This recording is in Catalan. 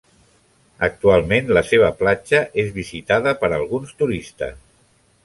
Actualment, la seva platja és visitada per alguns turistes.